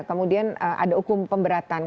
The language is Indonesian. kemudian ada hukum pemberatan